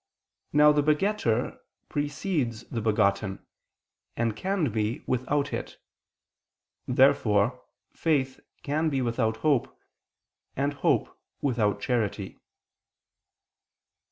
Now the begetter precedes the begotten, and can be without it. Therefore faith can be without hope; and hope, without charity.